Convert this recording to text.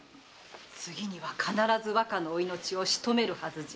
次には必ず若のお命をしとめるはずじゃ。